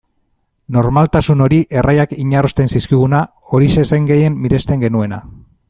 Normaltasun hori, erraiak inarrosten zizkiguna, horixe zen gehien miresten genuena.